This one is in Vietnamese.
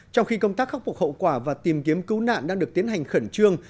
trong khi công tác khắc phục hậu quả và tìm kiếm cứu nạn đang được tiến hành khẩn trương